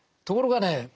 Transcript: ところがへ。